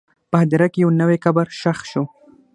په هدیره کې یو نوی قبر ښخ شو.